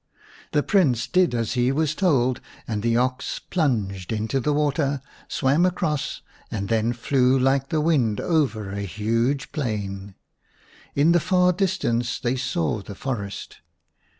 The Prince did as he was told, and the ox plunged into the water, swam across, and then flew like the wind over a huge plain. In the far distance they saw the forest.